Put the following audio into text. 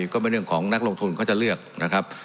ก็เป็นเรื่องของนักลงทุนเขาจะเลือกนะครับ